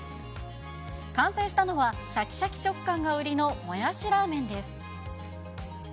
完成したのは、しゃきしゃき食感が売りのもやしラーメンです。